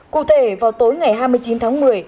cụ thể vào tối ngày hai mươi chín tháng một mươi